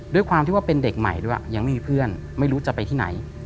ด้วยความที่ว่าเป็นเด็กใหม่ด้วยยังไม่มีเพื่อนไม่รู้จะไปที่ไหน